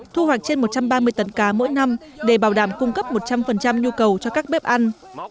thu hoạch trên một trăm ba mươi tấn cá mỗi năm để bảo đảm cung cấp một trăm linh nhu cầu cho các bếp ăn